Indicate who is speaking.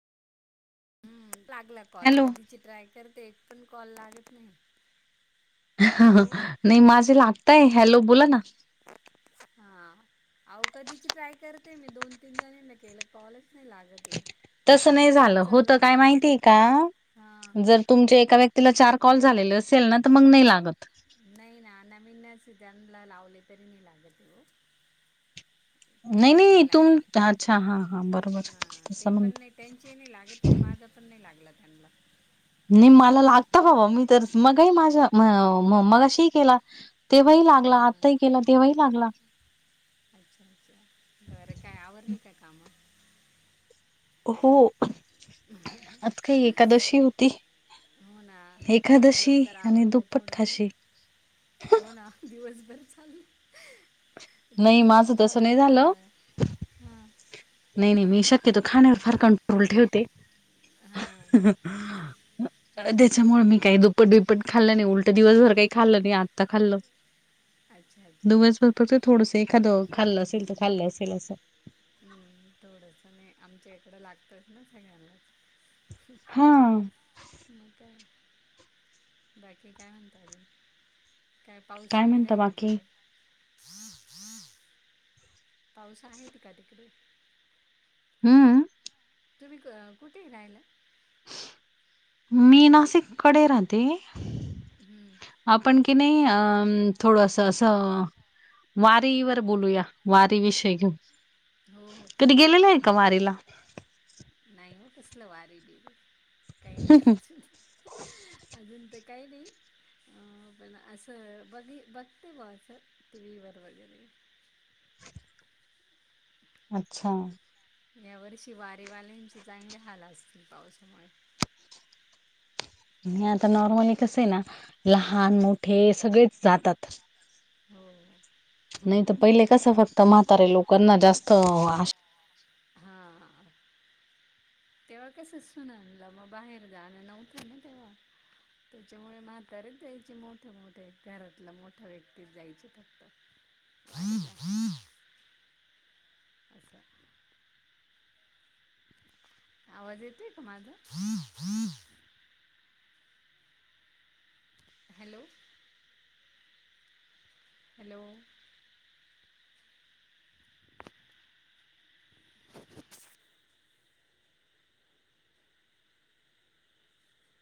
Speaker 1: हम्म. लागला call.
Speaker 2: Hello
Speaker 1: कधीची ट्राय करते. एक पण कॉल लागत नाही.
Speaker 2: हा हा
Speaker 1: हॅलो
Speaker 2: नाही माझे लागतय. हॅलो बोला ना.
Speaker 1: हा. अहो. कधीची ट्राय करते मी. दोन -तीन जणीना केलं. कॉलच नाही लागत.
Speaker 2: तसं
Speaker 1: आता
Speaker 2: नाही झालं.
Speaker 1: तुमचा
Speaker 2: होत काय
Speaker 1: लागला
Speaker 2: माहितीय का.
Speaker 1: हा
Speaker 2: तुमच्या एका व्यक्तीला चार कॉल झाले असेल ना. तर मग नाही लागत.
Speaker 1: नाही ना. नवीनच सिझनला लावले तरी नाही लागल. त्यांची नाही
Speaker 2: तुम
Speaker 1: लागत आहे.
Speaker 2: अच्छा हा हा बरोबर
Speaker 1: हा ते
Speaker 2: तसं
Speaker 1: पण
Speaker 2: म्हणत
Speaker 1: नाही. त्यांची नाही लागत माझं पण नाही लागला त्यांना.
Speaker 2: नाही मला लागत बाबा. मी तर मगा माझ मगाशी केला. तेव्हाही
Speaker 1: हा
Speaker 2: लागला. आत्ताही केला तेव्हाही लागला.
Speaker 1: बर काय आवरली काय काम?
Speaker 2: हो. आज काय एकादशी होती.
Speaker 1: हो ना आज
Speaker 2: एकादशी
Speaker 1: लवकर
Speaker 2: आणि
Speaker 1: आवरलं
Speaker 2: दुप्पट
Speaker 1: थोडंसं
Speaker 2: खाशी.
Speaker 1: हो ना. दिवसभर चालू.
Speaker 2: नाही
Speaker 1: दिवसभर
Speaker 2: माझं तसं
Speaker 1: फराळ
Speaker 2: नाही झालं
Speaker 1: फराळ आहे हा.
Speaker 2: नाही नाही मी शक्यतो खाण्यावर फार कंट्रोल ठेवते.
Speaker 1: हां अच्छा
Speaker 2: त्याच्यामुळ मी काय दु प्पट बिप्पट खाल्लं नाही उलट दिवसभर काही खाल्लं नाही आत्ता खाल्लं.
Speaker 1: [unintelligible]
Speaker 2: दिवसभर कसं थोडंसं एखादं खाल्लं असेल त खाल्लं असेल असं!
Speaker 1: हूं थोडस मीठ, आमच्या इकडं लागतच ना सगळ्यांला.
Speaker 2: हा
Speaker 1: आणि काय, बाकी काय म्हणता अजून. काय पाऊस वगैरे
Speaker 2: म्हणता
Speaker 1: आहे का
Speaker 2: बाकी
Speaker 1: तिकडे? पाऊस आहे ती का तिकडे!
Speaker 2: हूं!
Speaker 1: तुम्ही क कुठेय राहयला?
Speaker 2: मी नासिक कडे राहते,
Speaker 1: हम्म,
Speaker 2: आपण की नही अम थोडस असं! वारीवर बोलूया वारी विषय घिऊन,
Speaker 1: हो हो
Speaker 2: कधी
Speaker 1: चालेल
Speaker 2: गेलेल्या
Speaker 1: चालेल
Speaker 2: आहे का वारीला?
Speaker 1: नाही ओ कसलं वारी ते काही [unintelligible] अजून ते काय नही. अ पण असं बघी बघते बॉ असं टी व्ही वर वगैरे.
Speaker 2: अच्छा!
Speaker 1: ह्यांवर्षी वारीवाल्यांचे चांगले हाल असतील पाऊसमुळे.
Speaker 2: आणि आता नॉर्मली कस आहे ना, लहान, मोठे सगळेच जातात.
Speaker 1: हो! हो
Speaker 2: नाही त पहिले कस फक्त म्हातारे लोकांना जास्त
Speaker 1: हा! तेव्हा कस सूनां ला मग बाहेर जाण नव्हंत ना तेव्हा! त्याच्यामुळे म्हातारे च जायचे मोठे-मोठे, घरातल्या मोठा व्यक्तीच जायचे. फक्त
Speaker 2: [inaudible]
Speaker 1: असं आवाज येतोय का माझा? हॅलो! हॅलो!